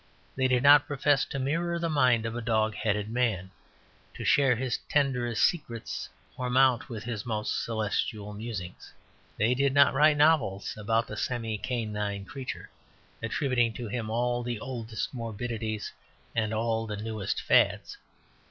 They did not profess to mirror the mind of a dog headed man, to share his tenderest secrets, or mount with his most celestial musings. They did not write novels about the semi canine creature, attributing to him all the oldest morbidities and all the newest fads.